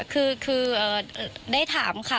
คือได้ถามค่ะ